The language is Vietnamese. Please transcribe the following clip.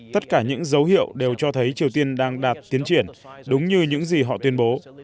tất cả những dấu hiệu đều cho thấy triều tiên đang đạt tiến triển đúng như những gì họ tuyên bố